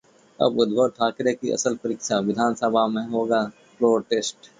अब उद्धव ठाकरे की असल परीक्षा, विधानसभा में होगा फ्लोर टेस्ट